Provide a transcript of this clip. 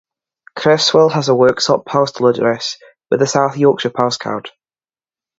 Creswell has a Worksop postal address with a South Yorkshire postcode.